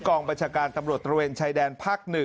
กองบัญชาการตำรวจตระเวนชายแดนภาค๑